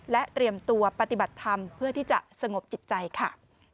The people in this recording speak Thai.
และเตรียมตัวปฏิบัติธรรมเพื่อที่จะสงบจิตใจค่ะ